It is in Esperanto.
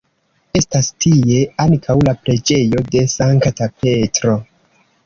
Estas tie ankaŭ la Preĝejo de Sankta Petro.